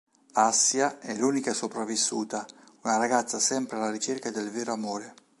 Assia è l'unica sopravvissuta, una ragazza sempre alla ricerca del vero amore.